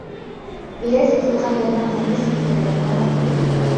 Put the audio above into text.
بېلەت ساتىدىغان يەرنىڭ ھەممىسىگە كىردىم ئامال يوق.